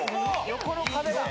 ・横の壁だ。